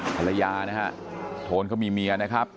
ภรรยานะฮะโทนเขามีเมียนะครับ